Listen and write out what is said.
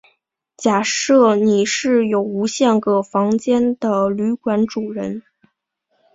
假设你是有无限个房间的旅馆主人。